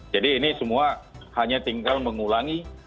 jadi ini semua hanya tinggal mengulangi